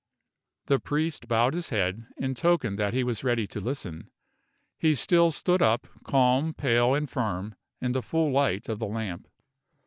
The priest bowed his head, in token that he was ready to listen. He still stood up, calm, pale, and firm, in the full light of the lamp.